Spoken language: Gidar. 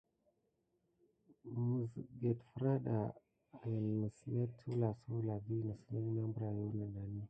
Məsget fraɗa en məs met suwlasuwla vi nisikeho berayuck kenani.